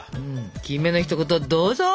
キメのひと言どうぞ。